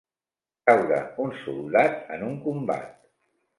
Caure un soldat en un combat.